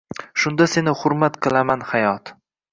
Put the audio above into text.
Shunda seni hurmat qilaman hayot